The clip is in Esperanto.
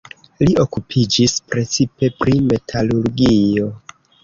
Li okupiĝis precipe pri metalurgio.